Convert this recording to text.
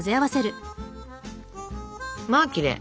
まあきれい。